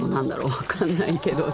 分かんないけど。